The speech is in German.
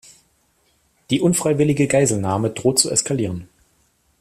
Die unfreiwillige Geiselnahme droht zu eskalieren.